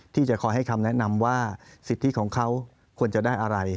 ที่จะคอยให้คำแนะนำว่าสิทธิของเขาควรจะได้อะไร